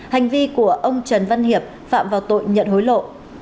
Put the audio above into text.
hành vi của ông trần văn hiệp phạm vào tội nhận hối lộ